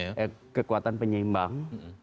gak ada oposisi kekuatan penyimbang